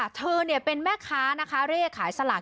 เธอเป็นแม่ค้าเรขายสลาก